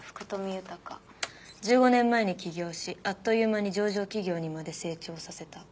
１５年前に起業しあっという間に上場企業にまで成長させた。